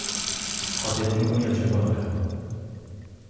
勝てる見込みは十分ある。